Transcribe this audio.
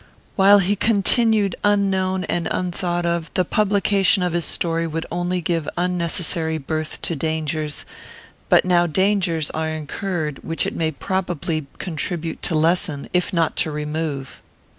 While he continued unknown and unthought of, the publication of his story would only give unnecessary birth to dangers; but now dangers are incurred which it may probably contribute to lessen, if not to remove.